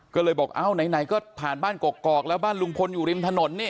ก็เลยบอกเอ้าไหนก็ผ่านบ้านกอกแล้วบ้านลุงพลอยู่ริมถนนนี่